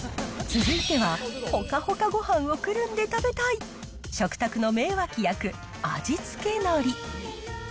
続いては、ほかほかごはんをくるんで食べたい、食卓の名脇役、味付けのり。